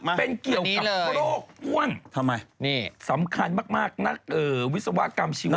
มาเป็นเกี่ยวกับโคแลตอ้อนทำไมนี่สำคัญมากนักเอ๋อวิศวกรรมชีวภาพ